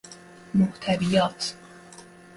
محتویات